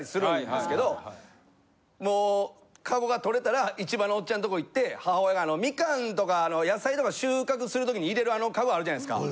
もうカゴが取れたら市場のおっちゃんとこ行って母親がミカンとか野菜とか収穫する時に入れるあのカゴあるじゃないですか